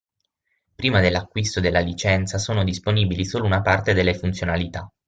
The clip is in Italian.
Prima dell'acquisto della licenza sono disponibili solo una parte delle funzionalità.